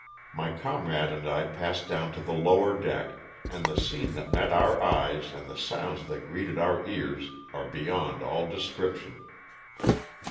My comrade and I passed down to the lower deck, and the scene that met our eyes and the sounds that greeted our ears are beyond all description.